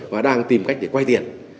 và đang tìm cách để quay tiền